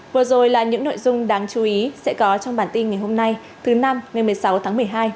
vừa rồi là những nội dung đáng chú ý sẽ có trong bản tin ngày hôm nay thứ năm ngày một mươi sáu tháng một mươi hai